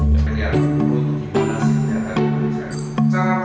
bisa lihat dulu gimana sih mencetak barista